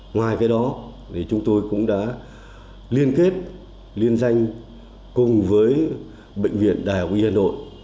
ngoài cái đó chúng tôi cũng đã liên kết liên danh cùng với bệnh viện đại học y hà nội